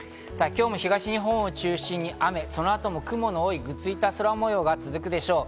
今日も東日本を中心に雨、そのあとも雲の多い、ぐずついた空模様が続くでしょう。